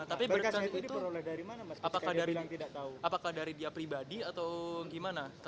tapi berdasarkan itu apakah dari dia pribadi atau gimana